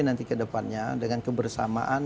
nanti ke depannya dengan kebersamaan